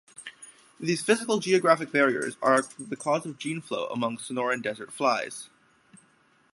These physical geographic barriers are the cause of gene flow among Sonoran Desert flies.